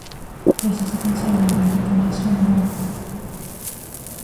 Resistencia a la manipulación buena.